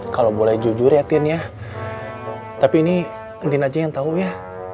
kalo boleh jujur ya tin ya tapi ini ntin aja yang tau ya